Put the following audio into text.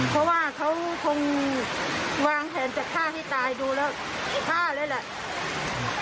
เพราะว่าเขาคงวางแผนจะฆ่าให้ตายดูแล้วฆ่าเลยแหละ